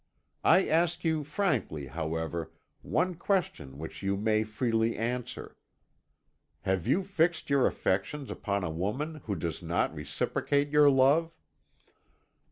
I ask you frankly, however, one question which you may freely answer. Have you fixed your affections upon a woman who does not reciprocate your love?"